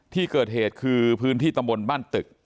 ที่เกิดเหตุคือพื้นที่ตำบลบ้านตึก